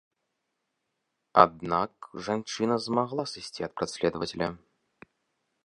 Аднак жанчына змагла сысці ад праследавацеля.